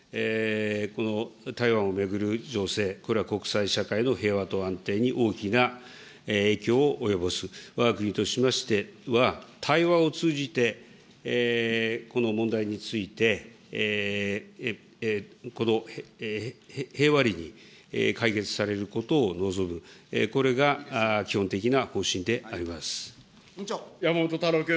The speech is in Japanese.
この台湾を巡る情勢、これは国際社会の平和と安定に大きな影響を及ぼす、わが国としましては、対話を通じて、この問題について、この平和裏に、解決されることを望む、山本太郎君。